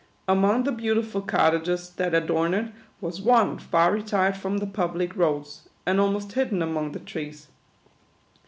Among the beautiful cottages that adorn it was one far retired from the pub lic roads, and almost hidden among the trees.